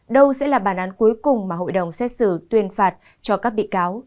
đâu sẽ là bản án cuối cùng mà hội đồng xét xử tuyên phạt cho các bị cáo